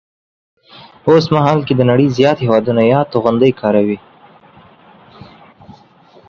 په اوسمهال کې د نړۍ زیات هیوادونه یاد توغندي کاروي